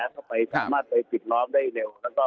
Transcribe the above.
เข้าไปเข้ามาทร้ายปิดล้อมได้เร็ว